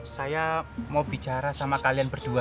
saya mau bicara sama kalian berdua